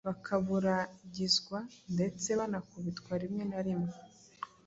bakaburagizwa, ndetse banakubitwa rimwe na rimwe.